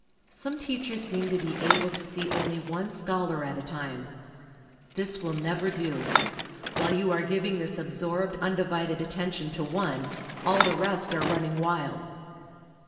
Some teachers seem to be able to see only one scholar at a time. This will never do. While you are giving this absorbed, undivided attention to one, all the rest are running wild.